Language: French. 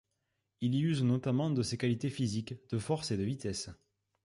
Il y use notamment de ses qualités physiques, de force et de vitesse.